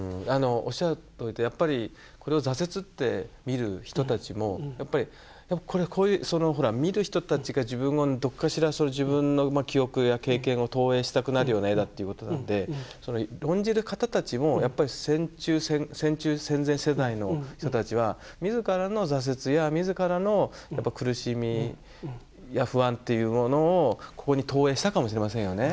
おっしゃるとおりでやっぱりこれを挫折って見る人たちもやっぱりこれほら見る人たちが自分をどっかしら自分の記憶や経験を投影したくなるような絵だっていうことなんで論じる方たちもやっぱり戦中戦前世代の人たちは自らの挫折や自らの苦しみや不安っていうものをここに投影したかもしれませんよね。